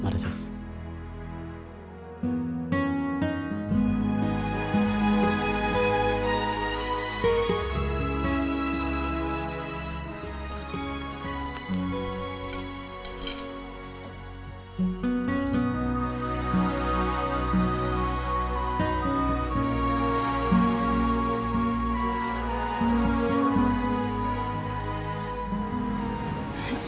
makasih ya dok